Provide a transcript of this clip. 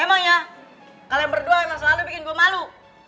emang ya kalian berdua emang selalu bikin gue malu